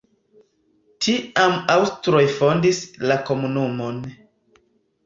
Tiam aŭstroj fondis la komunumon.